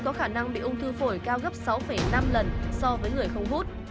có khả năng bị ung thư phổi cao gấp sáu năm lần so với người không hút